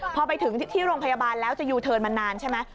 พอไปถึงที่โรงพยาบาลแล้วจะยูเทิร์นมานานใช่ไหม